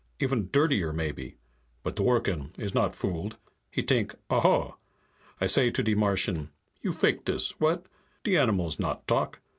Even dirtier, maybe. But Dworken is not fooled. He t'ink. 'Aha!' I say to de Martian, 'You fake this, what? De animals not talk.